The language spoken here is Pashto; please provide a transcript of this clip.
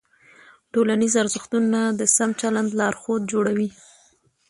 ټولنیز ارزښتونه د سم چلند لارښود جوړوي.